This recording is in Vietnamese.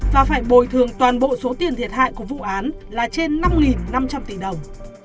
và phải bồi thường toàn bộ số tiền thiệt hại của vụ án là trên năm năm trăm linh tỷ đồng